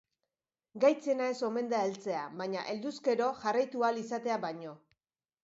Gaitzena ez omen da heltzea, behin helduz gero jarraitu ahal izatea baino.